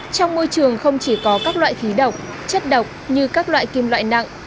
trong môi trường không chỉ có các loại khí độc chất độc như các loại kim loại nặng